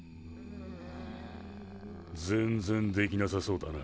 全然できなさそうだな。